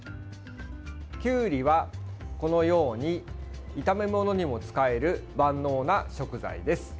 きゅうりは、このように炒め物にも使える万能な食材です。